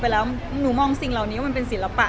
ไปแล้วหนูมองสิ่งเหล่านี้มันเป็นศิลปะ